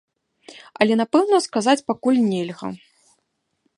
Але напэўна сказаць пакуль нельга.